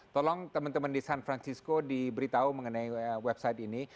tolong teman teman di san francisco diberitahu mengenai website ini